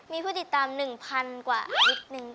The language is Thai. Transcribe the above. มีผู้ติดตาม๑๐๐๐กว่านิดนึง